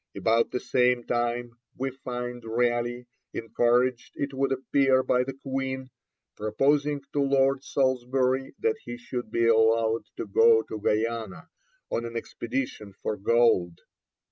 About the same time we find Raleigh, encouraged, it would appear, by the Queen, proposing to Lord Salisbury that he should be allowed to go to Guiana on an expedition for gold.